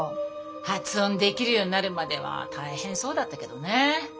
発音できるようになるまでは大変そうだったけどね。